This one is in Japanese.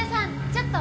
ちょっと。